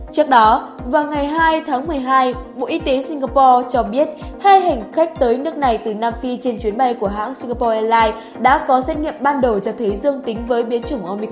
trước đó vào ngày hai tháng một mươi hai bộ y tế singapore cho biết hai hành khách tới nước này từ nam phi trên chuyến bay của hãng singapore airlines đã có xét nghiệm ban đầu cho thấy dương tính với biến chủng